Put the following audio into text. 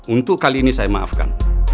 untuk kali ini saya maafkan